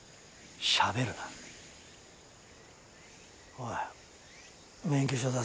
おい免許証出せ。